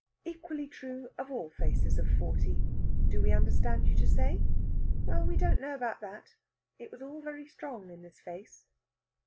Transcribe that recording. Equally true of all faces of forty, do we understand you to say? Well, we don't know about that. It was all very strong in this face.